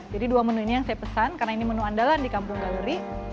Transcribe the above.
jadi dua menu ini yang saya pesan karena ini menu andalan di kampung galeri